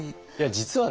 実はね